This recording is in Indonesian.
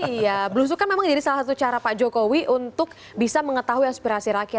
iya belusukan memang jadi salah satu cara pak jokowi untuk bisa mengetahui aspirasi rakyat